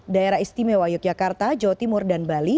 daerah istimewa yogyakarta jawa timur dan bali